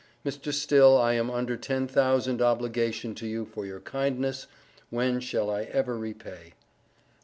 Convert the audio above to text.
Mr. Still, I am under ten thousand obligation to you for your kindness when shall I ever repay?